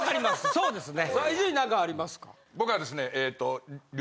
あそうですね。